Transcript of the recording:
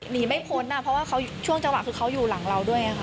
หนีไม่พ้นเพราะว่าเขาช่วงจังหวะคือเขาอยู่หลังเราด้วยไงค่ะ